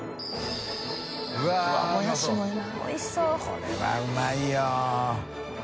これはうまいよ。